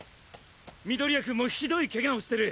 緑谷くんもひどい怪我をしてる！